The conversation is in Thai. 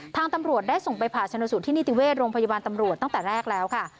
ทางตำรวจได้ส่งไปผ่าชนสูตรที่นิติเวชโรงพยาบาลตำรวจตั้งแต่แรกแล้วค่ะ